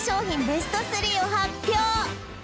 ベスト３を発表